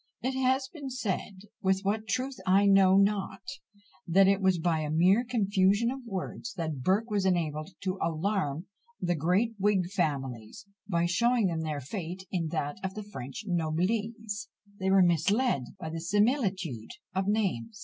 It has been said, with what truth I know not, that it was by a mere confusion of words that Burke was enabled to alarm the great Whig families, by showing them their fate in that of the French noblesse; they were misled by the similitude of names.